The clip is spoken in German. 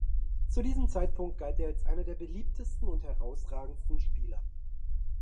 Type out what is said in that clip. Zu diesem Zeitpunkt galt er als einer der beliebtesten und herausragendsten Spieler.